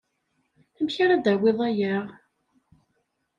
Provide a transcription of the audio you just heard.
Amek ara d-tawiḍ aya?